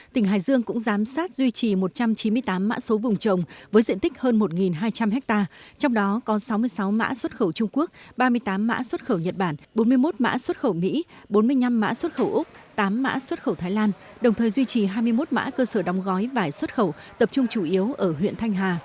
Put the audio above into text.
tỉnh hải dương cũng giám sát duy trì một trăm chín mươi tám mã số vùng trồng với diện tích hơn một hai trăm linh ha trong đó có sáu mươi sáu mã xuất khẩu trung quốc ba mươi tám mã xuất khẩu nhật bản bốn mươi một mã xuất khẩu mỹ bốn mươi năm mã xuất khẩu úc tám mã xuất khẩu thái lan đồng thời duy trì hai mươi một mã cơ sở đóng gói vải xuất khẩu tập trung chủ yếu ở huyện thanh hà